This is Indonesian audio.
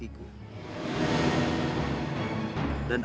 dan aku akan menolongmu